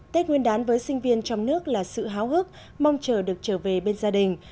tết nguyên đán với sinh viên trong nước là sự háo hức mong chờ được trở về bên gia đình